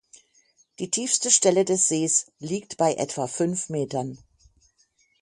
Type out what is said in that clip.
Die tiefste Stelle des Sees liegt bei etwa fünf Metern.